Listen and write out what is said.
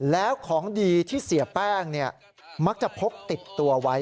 แล้วของดีที่เสียแป้งมักจะพกติดตัวไว้